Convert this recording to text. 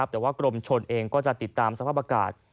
แต่ว่ากรมชนเองก็จะติดตามสภาพอากาศ